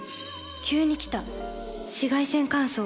急に来た紫外線乾燥。